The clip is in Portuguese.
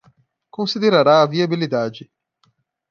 Considerará a viabilidade